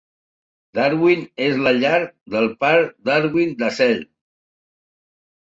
Darwin és la llar del parc Darwin-Dassel.